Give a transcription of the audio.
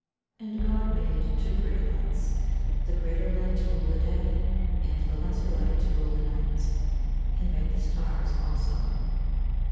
[Verse: "And God made two great lights; the greater light to rule the day, and the lesser light to rule the night: he made the stars also."